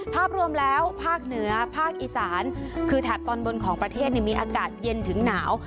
ภาพรวมแล้วภาคเหนือภาคอีสานคือแถบตอนบนของประเทศมีอากาศเย็นถึงหนาว